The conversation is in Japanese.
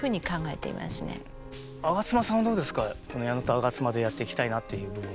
このやのとあがつまでやっていきたいなっていう部分。